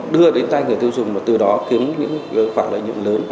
đưa đến tay người tiêu dùng và từ đó kiếm những khoản lợi nhuận lớn